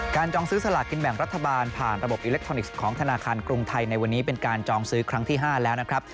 จองซื้อสลากกินแบ่งรัฐบาลผ่านระบบอิเล็กทรอนิกส์ของธนาคารกรุงไทยในวันนี้เป็นการจองซื้อครั้งที่๕แล้วนะครับ